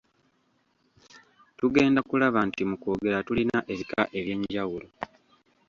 Tugenda kulaba nti mu kwogera tulina ebika eby’enjawulo.